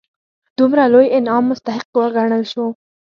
دومره لوی انعام مستحق وګڼل شول.